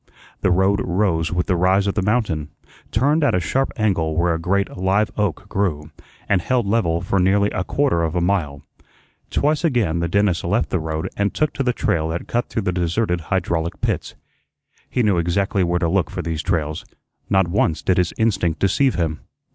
The road rose with the rise of the mountain, turned at a sharp angle where a great live oak grew, and held level for nearly a quarter of a mile. Twice again the dentist left the road and took to the trail that cut through deserted hydraulic pits. He knew exactly where to look for these trails; not once did his instinct deceive him.